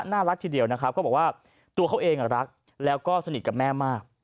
น่ารักทีเดียวนะครับก็บอกว่าตัวเขาเองรักแล้วก็สนิทกับแม่มาก